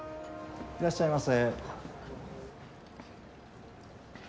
いらっしゃいませ。